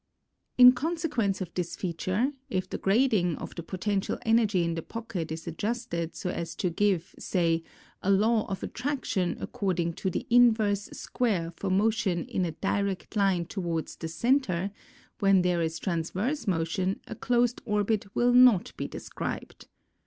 In consequence of this feature, if the grading of the potential energy in the pocket is adjusted so as to ive, say, a law of attraction according to the inverse square for motion in a direct line towards the centre, when there is trans verse motion a closed orbit will not be described.